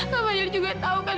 kak fadil juga tahu kan